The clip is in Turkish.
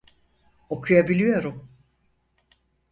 Okuyabiliyorum.